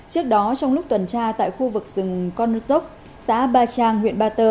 trước đó trong lúc tuần tra tại khu vực rừng con nút dốc xã ba trang huyện ba tơ